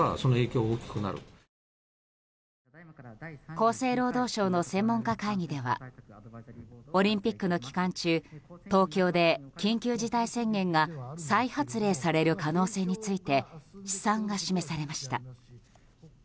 厚生労働省の専門家会議ではオリンピックの期間中、東京で緊急事態宣言が再発令される可能性について試算が示されました。